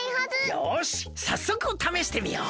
よしさっそくためしてみよう！